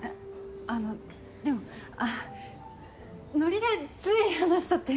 あのでもノリでつい話しちゃって。